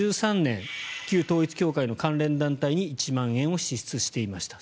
旧統一教会の関連団体に１万円を支出していました。